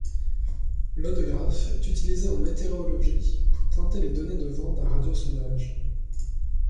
L'hodographe est utilisé en météorologie pour pointer les données de vents d'un radiosondage.